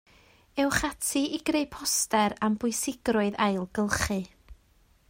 Ewch ati i greu poster am bwysigrwydd ailgylchu